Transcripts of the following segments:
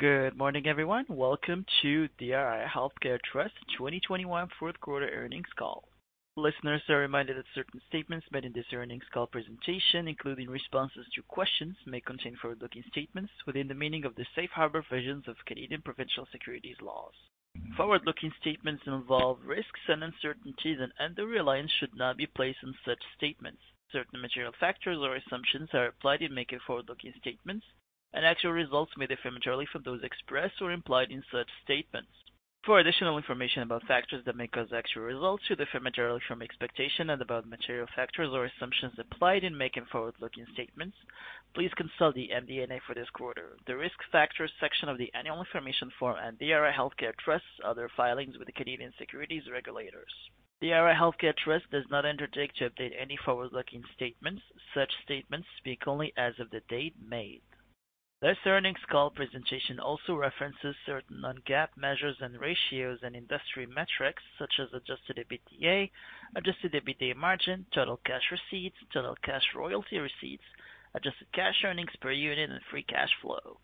Good morning, everyone. Welcome to DRI Healthcare Trust 2021 fourth quarter earnings call. Listeners are reminded that certain statements made in this earnings call presentation, including responses to questions, may contain forward-looking statements within the meaning of the safe harbor provisions of Canadian provincial securities laws. Forward-looking statements involve risks and uncertainties, and undue reliance should not be placed on such statements. Certain material factors or assumptions are applied in making forward-looking statements, and actual results may differ materially from those expressed or implied in such statements. For additional information about factors that may cause actual results to differ materially from expectations and about material factors or assumptions applied in making forward-looking statements, please consult the MD&A for this quarter, the Risk Factors section of the Annual Information Form and DRI Healthcare Trust's other filings with the Canadian Securities Regulators. DRI Healthcare Trust does not undertake to update any forward-looking statements. Such statements speak only as of the date made. This earnings call presentation also references certain non-GAAP measures and ratios and industry metrics such as adjusted EBITDA, adjusted EBITDA margin, total cash receipts, total cash royalty receipts, adjusted cash earnings per unit, and free cash flow.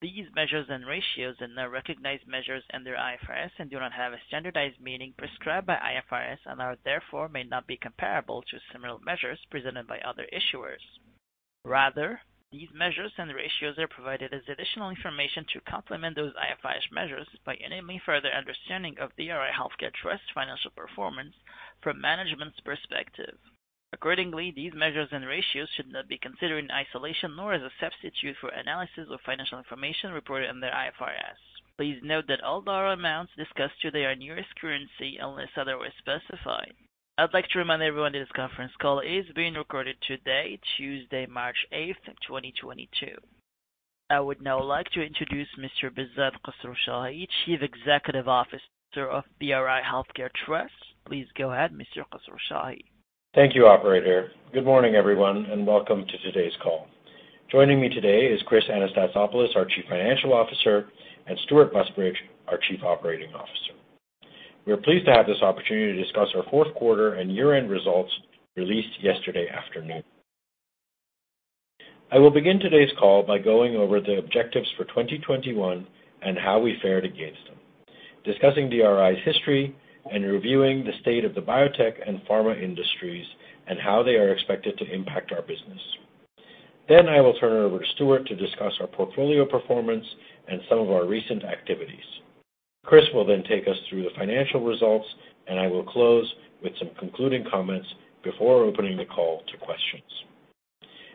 These measures and ratios are not recognized measures under IFRS and do not have a standardized meaning prescribed by IFRS and, therefore, may not be comparable to similar measures presented by other issuers. Rather, these measures and ratios are provided as additional information to complement those IFRS measures and to provide further understanding of DRI Healthcare Trust's financial performance from management's perspective. Accordingly, these measures and ratios should not be considered in isolation nor as a substitute for analysis of financial information reported under IFRS. Please note that all dollar amounts discussed today are in U.S. dollars unless otherwise specified. I'd like to remind everyone that this conference call is being recorded today, Tuesday, March 8th, 2022. I would now like to introduce Mr. Behzad Khosrowshahi, Chief Executive Officer of DRI Healthcare Trust. Please go ahead, Mr. Khosrowshahi. Thank you, operator. Good morning, everyone, and welcome to today's call. Joining me today is Chris Anastasopoulos, our Chief Financial Officer, and Stewart Busbridge, our Chief Operating Officer. We are pleased to have this opportunity to discuss our fourth quarter and year-end results released yesterday afternoon. I will begin today's call by going over the objectives for 2021 and how we fared against them, discussing DRI's history and reviewing the state of the biotech and pharma industries and how they are expected to impact our business. I will turn it over to Stewart to discuss our portfolio performance and some of our recent activities. Chris will then take us through the financial results, and I will close with some concluding comments before opening the call to questions.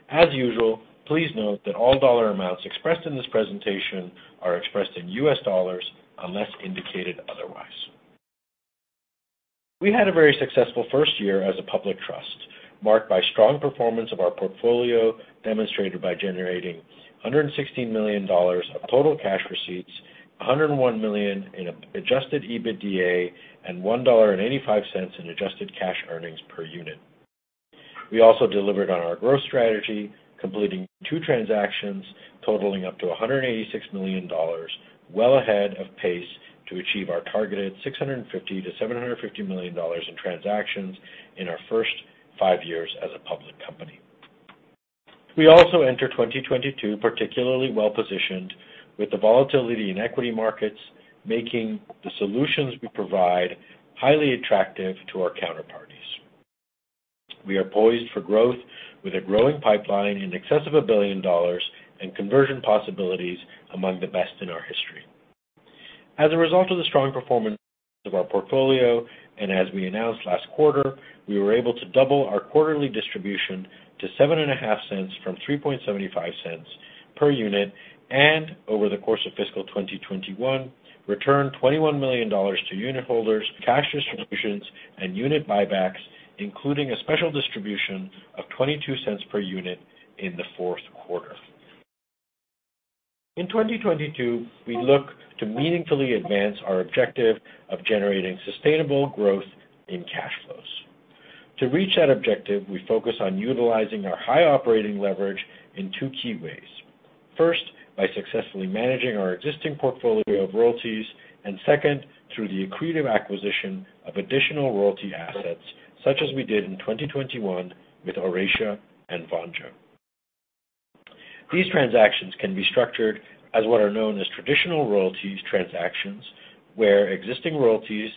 As usual, please note that all dollar amounts expressed in this presentation are expressed in U.S. dollars unless indicated otherwise. We had a very successful first year as a public trust, marked by strong performance of our portfolio, demonstrated by generating $116 million of total cash receipts, $101 million in adjusted EBITDA, and $1.85 in adjusted cash earnings per unit. We also delivered on our growth strategy, completing two transactions totaling up to $186 million, well ahead of pace to achieve our targeted $650 million-$750 million in transactions in our first five years as a public company. We also entered 2022, particularly well positioned with the volatility in equity markets, making the solutions we provide highly attractive to our counterparties. We are poised for growth with a growing pipeline in excess of $1 billion and conversion possibilities among the best in our history. As a result of the strong performance of our portfolio, and as we announced last quarter, we were able to double our quarterly distribution to $0.075 from $0.0375 per unit, and over the course of fiscal 2021, returned $21 million to unitholders, cash distributions, and unit buybacks, including a special distribution of $0.22 per unit in the fourth quarter. In 2022, we look to meaningfully advance our objective of generating sustainable growth in cash flows. To reach that objective, we focus on utilizing our high operating leverage in two key ways. First, by successfully managing our existing portfolio of royalties, and second, through the accretive acquisition of additional royalty assets, such as we did in 2021 with ORACEA and VONJO. These transactions can be structured as what are known as traditional royalties transactions, where existing royalties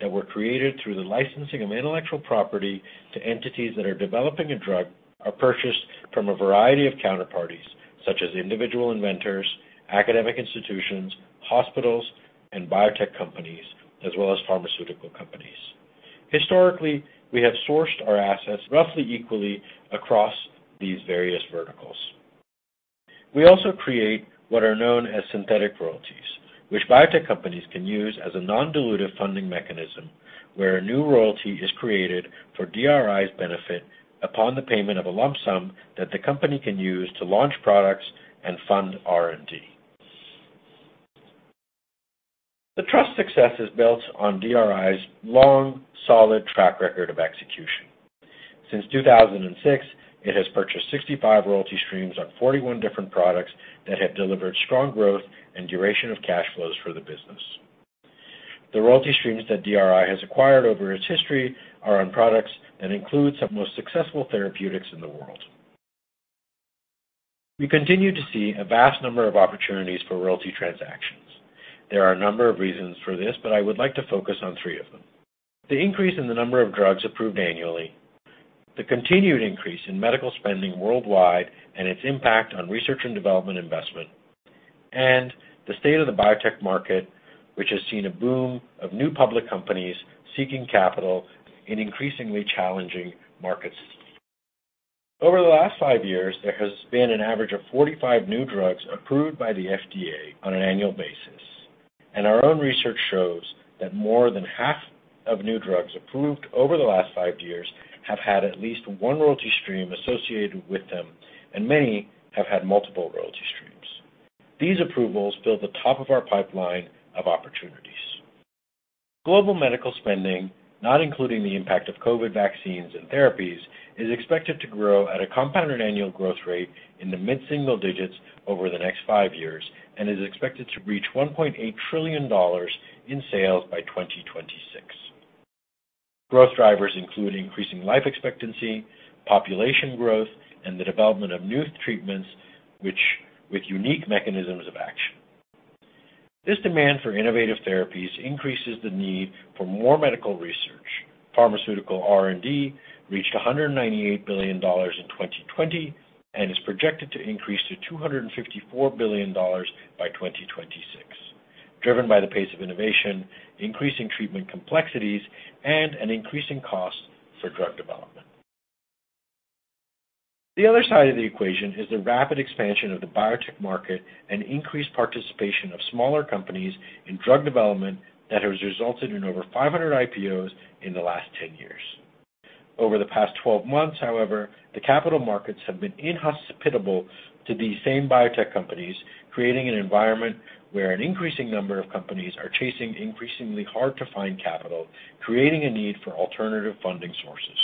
that were created through the licensing of intellectual property to entities that are developing a drug are purchased from a variety of counterparties, such as individual inventors, academic institutions, hospitals, and biotech companies, as well as pharmaceutical companies. Historically, we have sourced our assets roughly equally across these various verticals. We also create what are known as synthetic royalties, which biotech companies can use as a non-dilutive funding mechanism, where a new royalty is created for DRI's benefit upon the payment of a lump sum that the company can use to launch products and fund R&D. The Trust's success is built on DRI's long, solid track record of execution. Since 2006, it has purchased 65 royalty streams on 41 different products that have delivered strong growth and duration of cash flows for the business. The royalty streams that DRI has acquired over its history are on products that include some of the most successful therapeutics in the world. We continue to see a vast number of opportunities for royalty transactions. There are a number of reasons for this, but I would like to focus on three of them. The increase in the number of drugs approved annually, the continued increase in medical spending worldwide, and its impact on research and development investment, and the state of the biotech market, which has seen a boom of new public companies seeking capital in increasingly challenging markets. Over the last five years, there has been an average of 45 new drugs approved by the FDA on an annual basis, and our own research shows that more than half of new drugs approved over the last five years have had at least one royalty stream associated with them, and many have had multiple royalty streams. These approvals fill the top of our pipeline of opportunities. Global medical spending, not including the impact of COVID vaccines and therapies, is expected to grow at a compounded annual growth rate in the mid-single digits over the next five years and is expected to reach $1.8 trillion in sales by 2026. Growth drivers include increasing life expectancy, population growth, and the development of new treatments with unique mechanisms of action. This demand for innovative therapies increases the need for more medical research. Pharmaceutical R&D reached $198 billion in 2020 and is projected to increase to $254 billion by 2026, driven by the pace of innovation, increasing treatment complexities, and an increasing cost for drug development. The other side of the equation is the rapid expansion of the biotech market and increased participation of smaller companies in drug development that has resulted in over 500 IPOs in the last 10 years. Over the past 12 months, however, the capital markets have been inhospitable to these same biotech companies, creating an environment where an increasing number of companies are chasing increasingly hard-to-find capital, creating a need for alternative funding sources.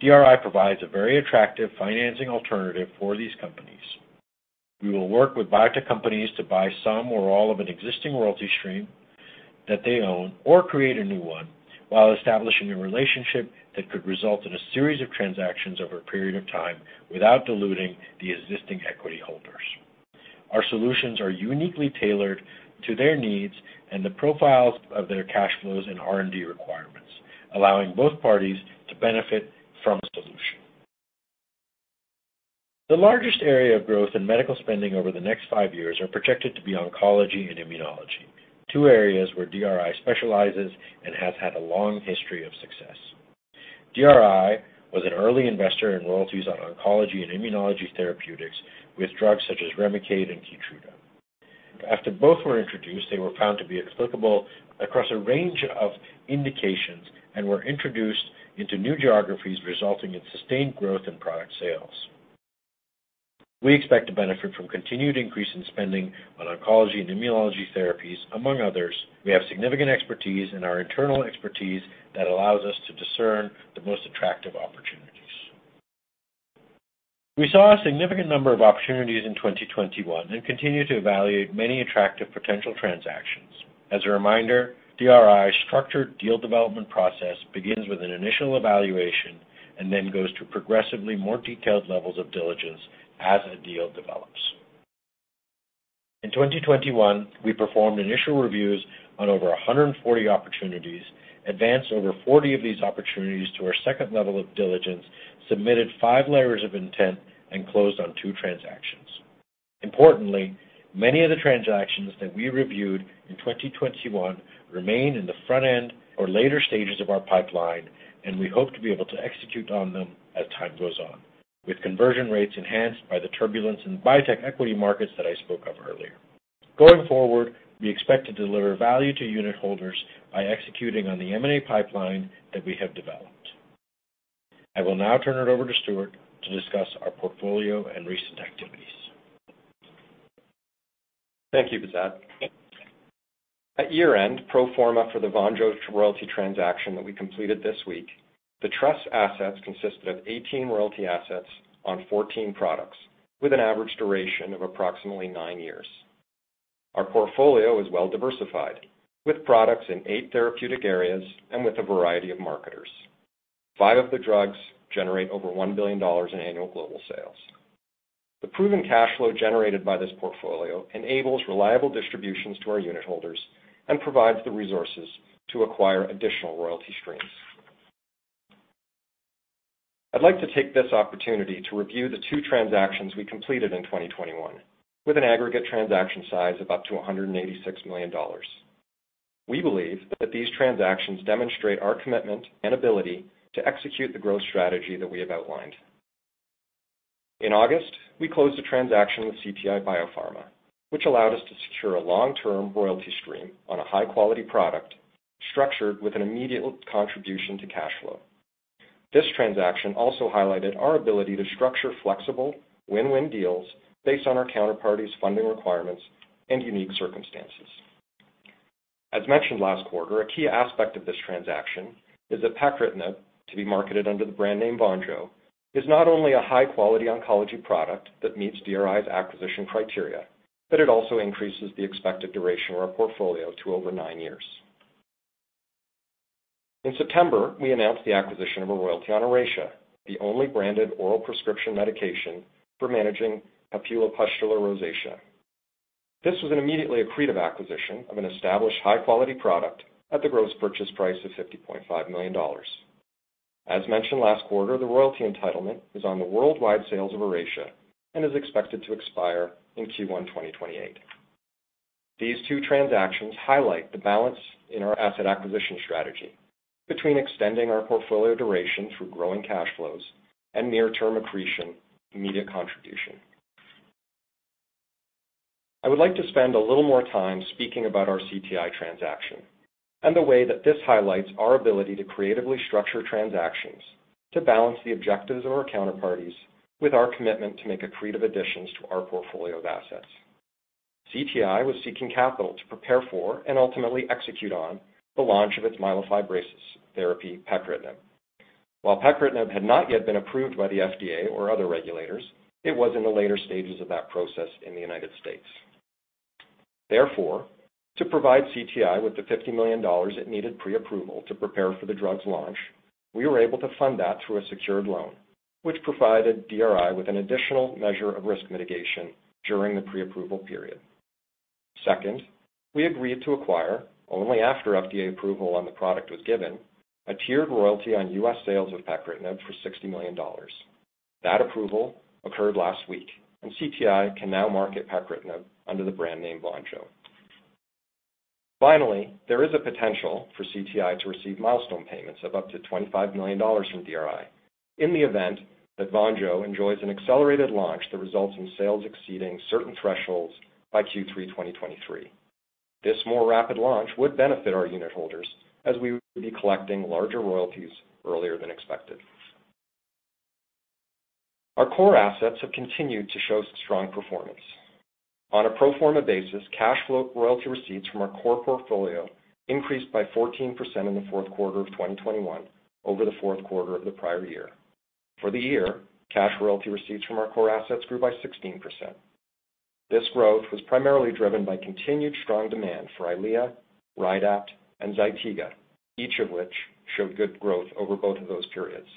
DRI provides a very attractive financing alternative for these companies. We will work with biotech companies to buy some or all of an existing royalty stream that they own, or create a new one while establishing a relationship that could result in a series of transactions over a period of time without diluting the existing equity holders. Our solutions are uniquely tailored to their needs and the profiles of their cash flows and R&D requirements, allowing both parties to benefit from a solution. The largest area of growth in medical spending over the next five years are projected to be oncology and immunology, two areas where DRI specializes and has had a long history of success. DRI was an early investor in royalties on oncology and immunology therapeutics with drugs such as REMICADE and KEYTRUDA. After both were introduced, they were found to be applicable across a range of indications and were introduced into new geographies, resulting in sustained growth in product sales. We expect to benefit from continued increase in spending on oncology and immunology therapies, among others. We have significant expertise and our internal expertise that allows us to discern the most attractive opportunities. We saw a significant number of opportunities in 2021 and continue to evaluate many attractive potential transactions. As a reminder, DRI's structured deal development process begins with an initial evaluation and then goes to progressively more detailed levels of diligence as a deal develops. In 2021, we performed initial reviews on over 140 opportunities, advanced over 40 of these opportunities to our second level of diligence, submitted five letters of intent, and closed on two transactions. Importantly, many of the transactions that we reviewed in 2021 remain in the front end or later stages of our pipeline, and we hope to be able to execute on them as time goes on, with conversion rates enhanced by the turbulence in the biotech equity markets that I spoke of earlier. Going forward, we expect to deliver value to unitholders by executing on the M&A pipeline that we have developed. I will now turn it over to Stewart to discuss our portfolio and recent activities. Thank you, Behzad. At year-end, pro forma for the VONJO royalty transaction that we completed this week, the Trust's assets consisted of 18 royalty assets on 14 products, with an average duration of approximately nine years. Our portfolio is well-diversified, with products in eight therapeutic areas and with a variety of marketers. Five of the drugs generate over $1 billion in annual global sales. The proven cash flow generated by this portfolio enables reliable distributions to our unitholders and provides the resources to acquire additional royalty streams. I'd like to take this opportunity to review the two transactions we completed in 2021, with an aggregate transaction size of up to $186 million. We believe that these transactions demonstrate our commitment and ability to execute the growth strategy that we have outlined. In August, we closed a transaction with CTI BioPharma, which allowed us to secure a long-term royalty stream on a high-quality product structured with an immediate contribution to cash flow. This transaction also highlighted our ability to structure flexible win-win deals based on our counterparty's funding requirements and unique circumstances. As mentioned last quarter, a key aspect of this transaction is that pacritinib, to be marketed under the brand name VONJO, is not only a high-quality oncology product that meets DRI's acquisition criteria, but it also increases the expected duration of our portfolio to over nine years. In September, we announced the acquisition of a royalty on ORACEA, the only branded oral prescription medication for managing papulopustular rosacea. This was an immediately accretive acquisition of an established high-quality product at the gross purchase price of $50.5 million. As mentioned last quarter, the royalty entitlement is on the worldwide sales of ORACEA and is expected to expire in Q1 2028. These two transactions highlight the balance in our asset acquisition strategy between extending our portfolio duration through growing cash flows and near-term accretion immediate contribution. I would like to spend a little more time speaking about our CTI transaction and the way that this highlights our ability to creatively structure transactions to balance the objectives of our counterparties with our commitment to make accretive additions to our portfolio of assets. CTI was seeking capital to prepare for and ultimately execute on the launch of its myelofibrosis therapy, pacritinib. While pacritinib had not yet been approved by the FDA or other regulators, it was in the later stages of that process in the United States. Therefore, to provide CTI with the $50 million it needed pre-approval to prepare for the drug's launch, we were able to fund that through a secured loan, which provided DRI with an additional measure of risk mitigation during the pre-approval period. Second, we agreed to acquire, only after FDA approval on the product was given, a tiered royalty on U.S. sales of pacritinib for $60 million. That approval occurred last week, and CTI can now market pacritinib under the brand name VONJO. Finally, there is a potential for CTI to receive milestone payments of up to $25 million from DRI in the event that VONJO enjoys an accelerated launch that results in sales exceeding certain thresholds by Q3 2023. This more rapid launch would benefit our unitholders as we would be collecting larger royalties earlier than expected. Our core assets have continued to show strong performance. On a pro forma basis, cash flow royalty receipts from our core portfolio increased by 14% in the fourth quarter of 2021 over the fourth quarter of the prior year. For the year, cash royalty receipts from our core assets grew by 16%. This growth was primarily driven by continued strong demand for EYLEA, RYDAPT, and ZYTIGA, each of which showed good growth over both of those periods.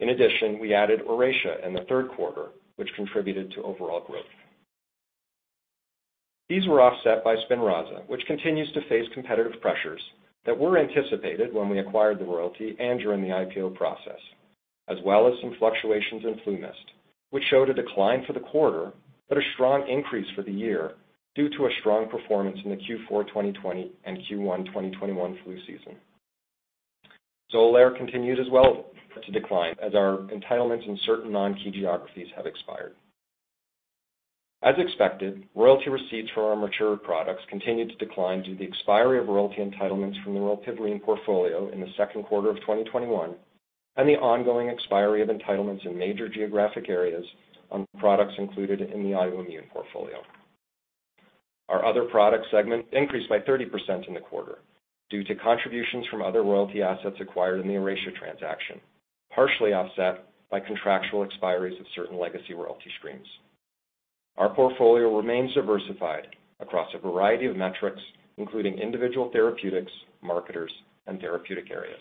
In addition, we added ORACEA in the third quarter, which contributed to overall growth. These were offset by SPINRAZA, which continues to face competitive pressures that were anticipated when we acquired the royalty and during the IPO process, as well as some fluctuations in FluMist, which showed a decline for the quarter, but a strong increase for the year due to a strong performance in the Q4 2020 and Q1 2021 flu season. XOLAIR continued as well to decline as our entitlements in certain non-key geographies have expired. As expected, royalty receipts for our mature products continued to decline due to the expiry of royalty entitlements from the Rilpivirine Portfolio in the second quarter of 2021 and the ongoing expiry of entitlements in major geographic areas on products included in the Autoimmune Portfolio. Our other product segment increased by 30% in the quarter due to contributions from other royalty assets acquired in the ORACEA transaction, partially offset by contractual expiries of certain legacy royalty streams. Our portfolio remains diversified across a variety of metrics, including individual therapeutics, marketers, and therapeutic areas.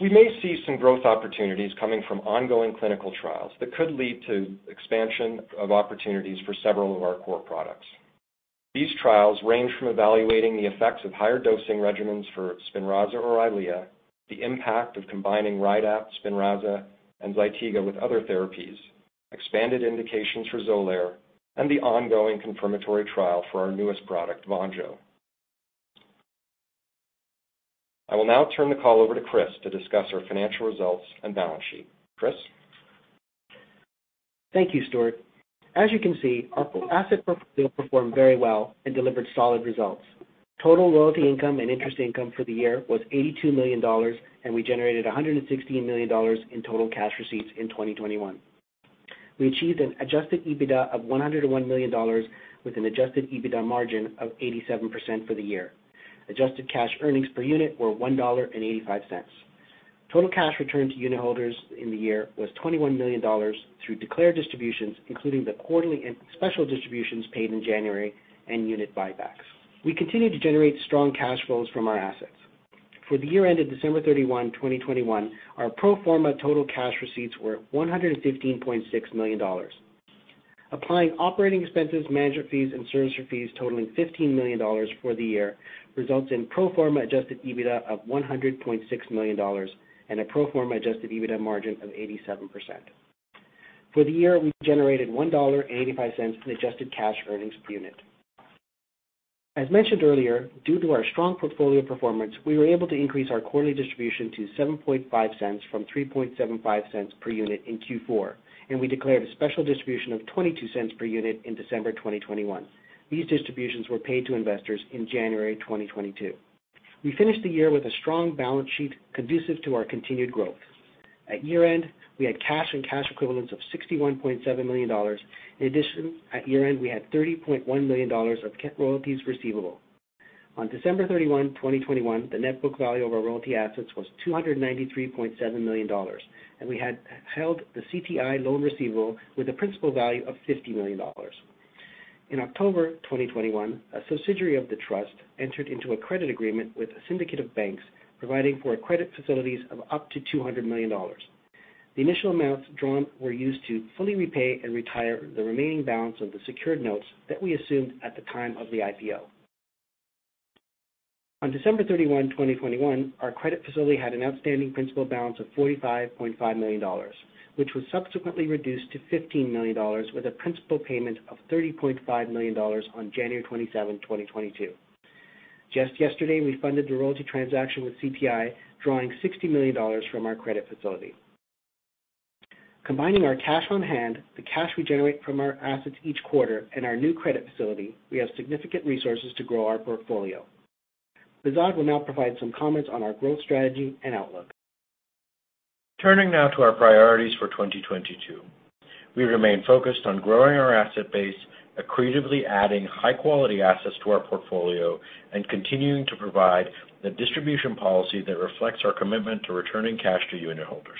We may see some growth opportunities coming from ongoing clinical trials that could lead to expansion of opportunities for several of our core products. These trials range from evaluating the effects of higher dosing regimens for SPINRAZA or EYLEA, the impact of combining RYDAPT, SPINRAZA, and ZYTIGA with other therapies, expanded indications for XOLAIR, and the ongoing confirmatory trial for our newest product, VONJO. I will now turn the call over to Chris to discuss our financial results and balance sheet. Chris? Thank you, Stewart. As you can see, our asset portfolio performed very well and delivered solid results. Total royalty income and interest income for the year was $82 million, and we generated $116 million in total cash receipts in 2021. We achieved an adjusted EBITDA of $101 million with an adjusted EBITDA margin of 87% for the year. Adjusted cash earnings per unit were $1.85. Total cash returned to unitholders in the year was $21 million through declared distributions, including the quarterly and special distributions paid in January and unit buybacks. We continue to generate strong cash flows from our assets. For the year ended December 31, 2021, our pro forma total cash receipts were $115.6 million. Applying OpEx, management fees, and service fees totaling $15 million for the year results in pro forma adjusted EBITDA of $100.6 million and a pro forma adjusted EBITDA margin of 87%. For the year, we generated $1.85 in adjusted cash earnings per unit. As mentioned earlier, due to our strong portfolio performance, we were able to increase our quarterly distribution to $0.075 from $0.0375 per unit in Q4, and we declared a special distribution of $0.22 per unit in December 2021. These distributions were paid to investors in January 2022. We finished the year with a strong balance sheet conducive to our continued growth. At year-end, we had cash and cash equivalents of $61.7 million. In addition, at year-end, we had $30.1 million of royalties receivable. On December 31, 2021, the net book value of our royalty assets was $293.7 million, and we had held the CTI loan receivable with a principal value of $50 million. In October 2021, a subsidiary of the Trust entered into a credit agreement with a syndicate of banks, providing for credit facilities of up to $200 million. The initial amounts drawn were used to fully repay and retire the remaining balance of the secured notes that we assumed at the time of the IPO. On December 31, 2021, our credit facility had an outstanding principal balance of $45.5 million, which was subsequently reduced to $15 million, with a principal payment of $30.5 million on January 27, 2022. Just yesterday, we funded the royalty transaction with CTI, drawing $60 million from our credit facility. Combining our cash on hand, the cash we generate from our assets each quarter, and our new credit facility, we have significant resources to grow our portfolio. Behzad will now provide some comments on our growth strategy and outlook. Turning now to our priorities for 2022. We remain focused on growing our asset base, accretively adding high-quality assets to our portfolio, and continuing to provide the distribution policy that reflects our commitment to returning cash to unit holders.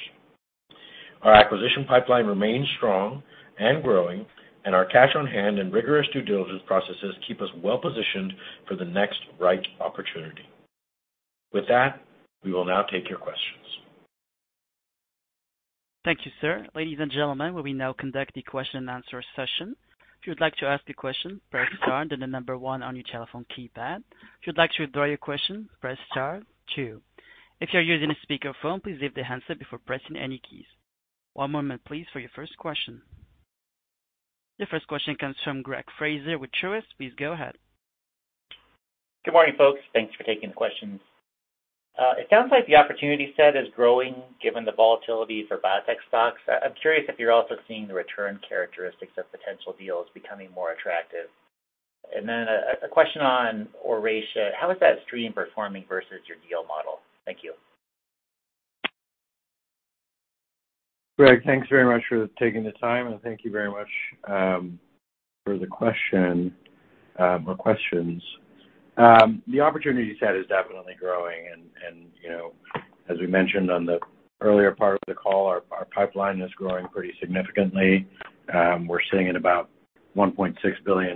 Our acquisition pipeline remains strong and growing, and our cash on hand and rigorous due diligence processes keep us well positioned for the next right opportunity. With that, we will now take your questions. Thank you, sir. Ladies and gentlemen, we will now conduct the question-and-answer session. If you'd like to ask a question, press star, then the number one on your telephone keypad. If you'd like to withdraw your question, press star two. If you're using a speakerphone, please leave the handset before pressing any keys. One moment please, for your first question. The first question comes from Greg Fraser with Truist. Please go ahead. Good morning, folks. Thanks for taking the questions. It sounds like the opportunity set is growing given the volatility for biotech stocks. I'm curious if you're also seeing the return characteristics of potential deals becoming more attractive. A question on ORACEA. How is that stream performing versus your deal model? Thank you. Greg, thanks very much for taking the time. Thank you very much for the question or questions. The opportunity set is definitely growing and, you know, as we mentioned on the earlier part of the call, our pipeline is growing pretty significantly. We're sitting at about $1.6 billion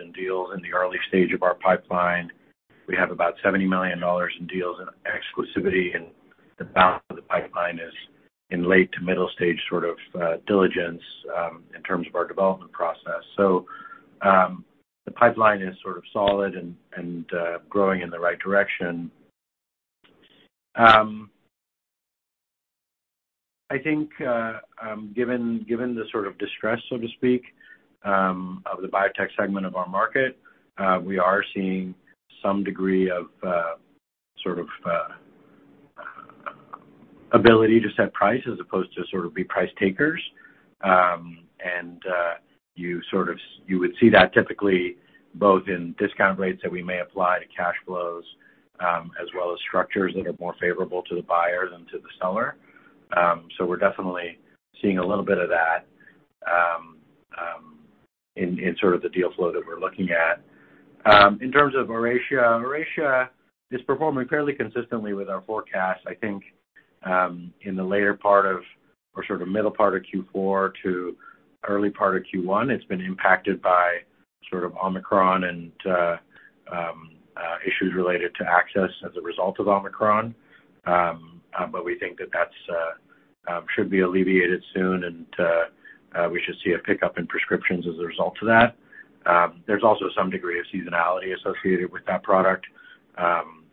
in deals in the early stage of our pipeline. We have about $70 million in deals in exclusivity, and the balance of the pipeline is in late- to middle-stage sort of diligence in terms of our development process. The pipeline is sort of solid and growing in the right direction. I think, given the sort of distress, so to speak, of the biotech segment of our market, we are seeing some degree of sort of ability to set price as opposed to sort of be price takers. You would see that typically both in discount rates that we may apply to cash flows, as well as structures that are more favorable to the buyer than to the seller. We're definitely seeing a little bit of that in sort of the deal flow that we're looking at. In terms of ORACEA is performing fairly consistently with our forecast. I think in the sort of middle part of Q4 to early part of Q1, it's been impacted by sort of Omicron and issues related to access as a result of Omicron. We think that that should be alleviated soon, and we should see a pickup in prescriptions as a result of that. There's also some degree of seasonality associated with that product, and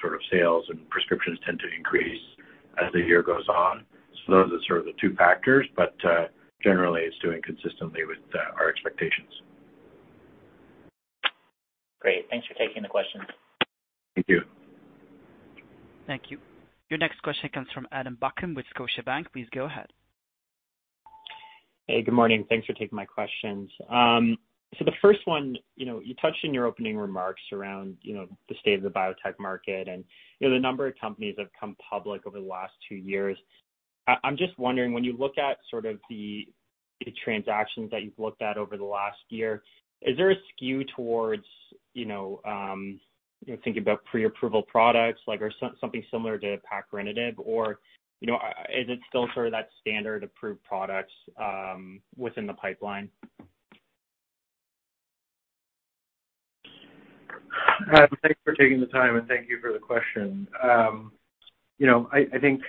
sort of sales and prescriptions tend to increase as the year goes on. Those are sort of the two factors, but generally it's doing consistently with our expectations. Great. Thanks for taking the question. Thank you. Thank you. Your next question comes from Adam Buckham with Scotiabank. Please go ahead. Hey, good morning. Thanks for taking my questions. The first one, you know, you touched in your opening remarks around, you know, the state of the biotech market and, you know, the number of companies that have come public over the last two years. I'm just wondering, when you look at sort of the transactions that you've looked at over the last year, is there a skew towards, you know, thinking about pre-approval products like something similar to pacritinib or, you know, is it still sort of that standard approved products within the pipeline? Adam, thanks for taking the time, and thank you for the question. You know, I think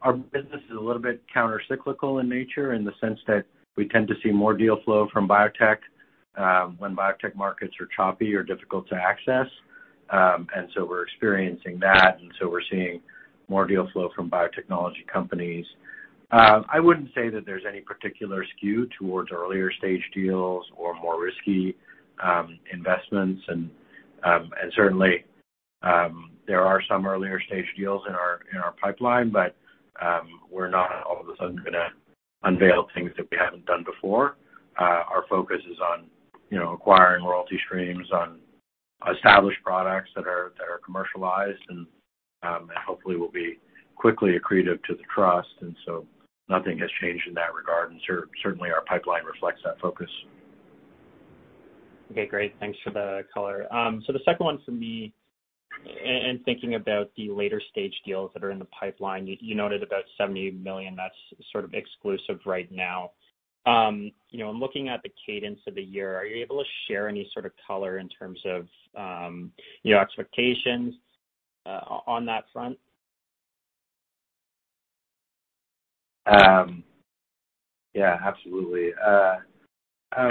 our business is a little bit countercyclical in nature in the sense that we tend to see more deal flow from biotech when biotech markets are choppy or difficult to access. We're experiencing that, and so we're seeing more deal flow from biotechnology companies. I wouldn't say that there's any particular skew towards earlier stage deals or more risky investments. Certainly, there are some earlier stage deals in our pipeline, but we're not all of a sudden gonna unveil things that we haven't done before. Our focus is on, you know, acquiring royalty streams on established products that are commercialized and hopefully will be quickly accretive to the Trust. Nothing has changed in that regard, and certainly our pipeline reflects that focus. Okay, great. Thanks for the color. The second one from me, and thinking about the later-stage deals that are in the pipeline, you noted about $70 million that's sort of exclusive right now. You know, in looking at the cadence of the year, are you able to share any sort of color in terms of your expectations on that front? Yeah, absolutely. I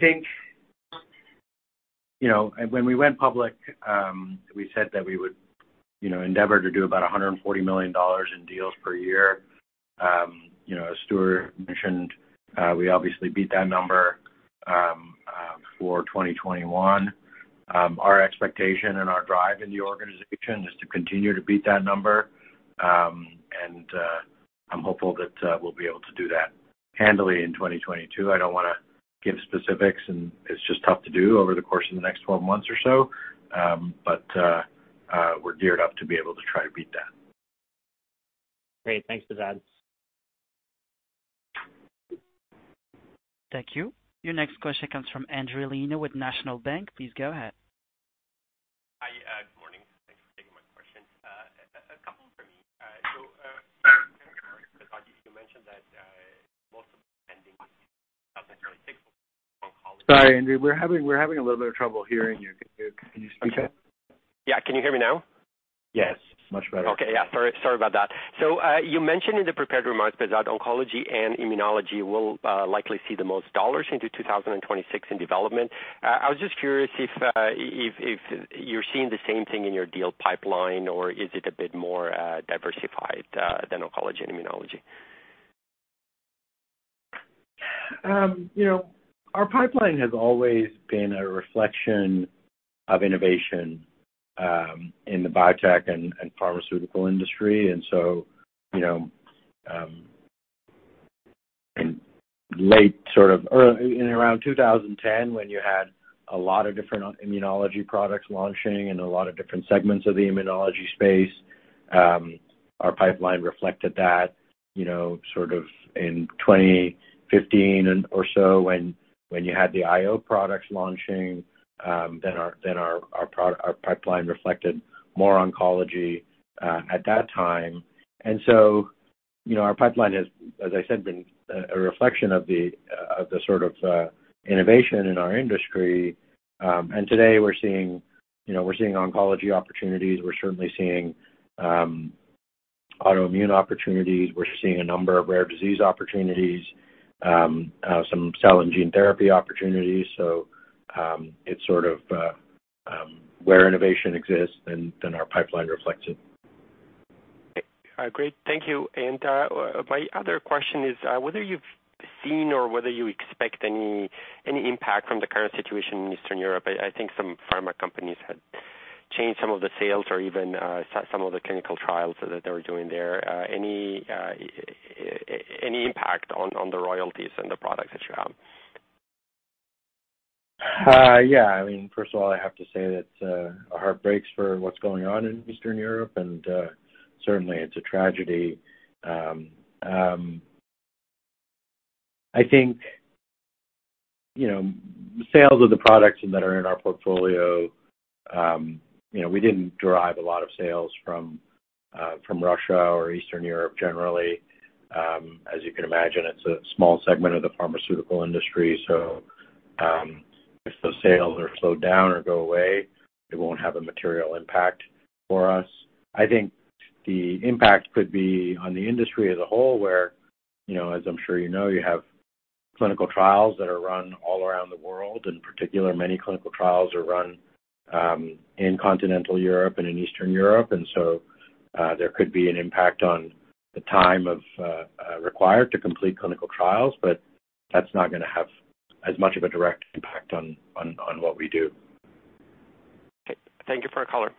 think, you know, when we went public, we said that we would, you know, endeavor to do about $140 million in deals per year. You know, Stewart mentioned, we obviously beat that number for 2021. Our expectation and our drive in the organization is to continue to beat that number, and I'm hopeful that we'll be able to do that handily in 2022. I don't wanna give specifics and it's just tough to do over the course of the next 12 months or so, but we're geared up to be able to try to beat that. Great. Thanks for that. Thank you. Your next question comes from Endri Leno with National Bank. Please go ahead. Hi. Good morning. Thanks for taking my question. A couple for me. So. Sorry, Endri. We're having a little bit of trouble hearing you. Can you speak up? Yeah. Can you hear me now? Yes. Much better. Okay. Yeah, sorry. Sorry about that. You mentioned in the prepared remarks that oncology and immunology will likely see the most dollars into 2026 in development. I was just curious if if you're seeing the same thing in your deal pipeline, or is it a bit more diversified than oncology and immunology? You know, our pipeline has always been a reflection of innovation in the biotech and pharmaceutical industry. You know, in around 2010, when you had a lot of different immunology products launching and a lot of different segments of the immunology space, our pipeline reflected that, you know, sort of in 2015 or so when you had the IO products launching, then our pipeline reflected more oncology at that time. You know, our pipeline has, as I said, been a reflection of the sort of innovation in our industry. Today we're seeing, you know, we're seeing oncology opportunities. We're certainly seeing autoimmune opportunities. We're seeing a number of rare disease opportunities, some cell and gene therapy opportunities. It's sort of where innovation exists then our pipeline reflects it. Great. Thank you. My other question is whether you've seen or whether you expect any impact from the current situation in Eastern Europe. I think some pharma companies had changed some of the sales or even some of the clinical trials that they were doing there. Any impact on the royalties and the products that you have? Yeah, I mean, first of all, I have to say that our heart breaks for what's going on in Eastern Europe, and certainly it's a tragedy. I think, you know, sales of the products that are in our portfolio, you know, we didn't derive a lot of sales from Russia or Eastern Europe generally. As you can imagine, it's a small segment of the pharmaceutical industry, so if the sales are slowed down or go away, it won't have a material impact for us. I think the impact could be on the industry as a whole, where, you know, as I'm sure you know, you have clinical trials that are run all around the world. In particular, many clinical trials are run in continental Europe and in Eastern Europe. There could be an impact on the time required to complete clinical trials, but that's not gonna have as much of a direct impact on what we do. Okay. Thank you for the color.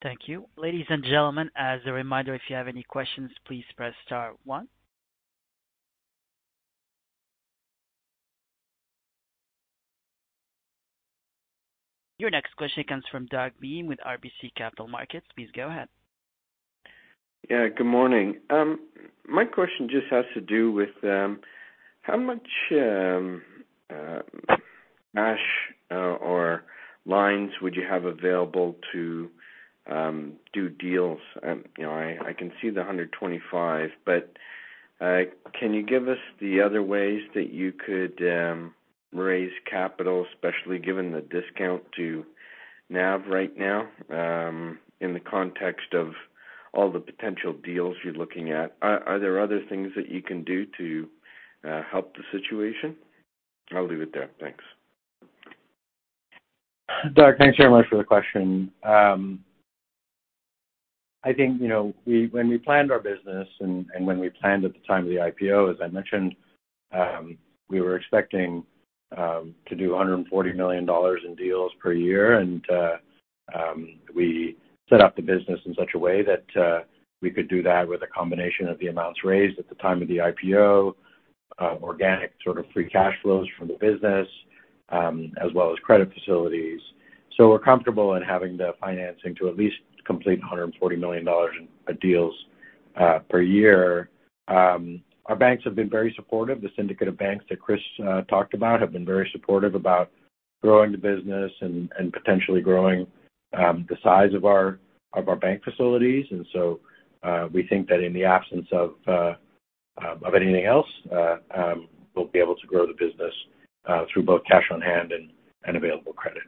Thank you. Ladies and gentlemen, as a reminder, if you have any questions, please press star one. Your next question comes from Doug Miehm with RBC Capital Markets. Please go ahead. Yeah, good morning. My question just has to do with how much cash or lines would you have available to do deals? You know, I can see the 125, but can you give us the other ways that you could raise capital, especially given the discount to NAV right now, in the context of all the potential deals you're looking at? Are there other things that you can do to help the situation? I'll leave it there. Thanks. Doug, thanks very much for the question. I think, you know, when we planned our business and when we planned at the time of the IPO, as I mentioned, we were expecting to do $140 million in deals per year. We set up the business in such a way that we could do that with a combination of the amounts raised at the time of the IPO, organic sort of free cash flows from the business, as well as credit facilities. We're comfortable in having the financing to at least complete $140 million in deals per year. Our banks have been very supportive. The syndicate of banks that Chris talked about have been very supportive about growing the business and potentially growing the size of our bank facilities. We think that in the absence of anything else, we'll be able to grow the business through both cash on hand and available credit.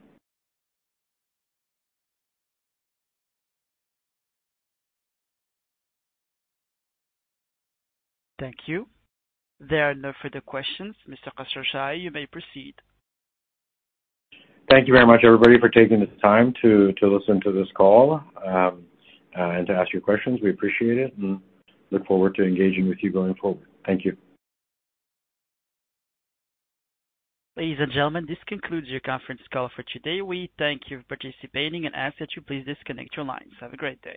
Thank you. There are no further questions. Mr. Khosrowshahi, you may proceed. Thank you very much, everybody, for taking the time to listen to this call, and to ask your questions. We appreciate it and look forward to engaging with you going forward. Thank you. Ladies and gentlemen, this concludes your conference call for today. We thank you for participating and ask that you please disconnect your lines. Have a great day.